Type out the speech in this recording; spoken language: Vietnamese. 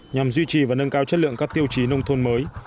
nhằm duy trì và nâng cao chất lượng các tiêu chí nông thôn mới